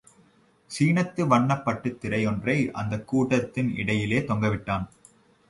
சீனத்து வண்ணப் பட்டுத்திரை யொன்றை அந்தக் கூடத்தின் இடையிலே தொங்கவிட்டான்.